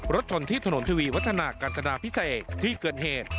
รถชนที่ถนนทวีวัฒนากันจนาพิเศษที่เกิดเหตุ